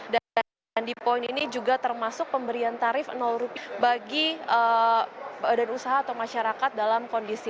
dan di poin ini juga termasuk pemberian tarif rp bagi badan usaha atau masyarakat dalam kondisi